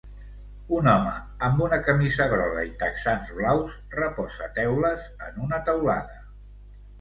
Un home amb una camisa groga i texans blaus reposa teules en una teulada.